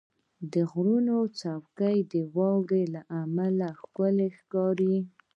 • د غرونو څوکې د واورې له امله ښکلي ښکاري.